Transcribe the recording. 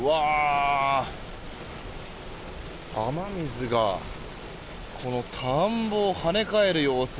雨水が田んぼを跳ね返る様子。